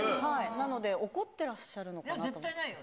なので怒ってらっしゃるのかいや、絶対ないよ。